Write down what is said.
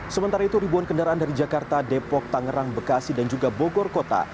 sementara itu ribuan kendaraan dari jakarta depok tangerang bekasi dan juga bogor kota